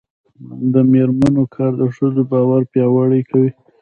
د میرمنو کار د ښځو باور پیاوړی کوي.